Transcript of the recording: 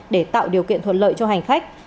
để tạo điều kiện thuận lợi cho hành khách